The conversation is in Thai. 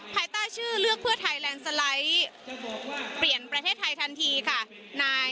ภายใต้ชื่อเลือกเพื่อไทยแลนด์สไลด์เปลี่ยนประเทศไทยทันทีค่ะนาย